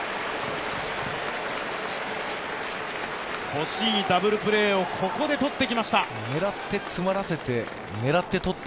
欲しいダブルプレーをここで取ってきました。